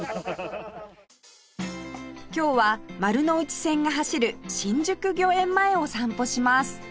今日は丸ノ内線が走る新宿御苑前を散歩します